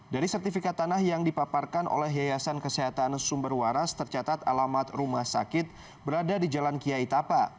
dari sertifikat tanah yang dipaparkan oleh yayasan kesehatan sumber waras tercatat alamat rumah sakit berada di jalan kiai tapa